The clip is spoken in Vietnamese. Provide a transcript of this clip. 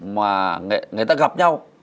mà người ta gặp nhau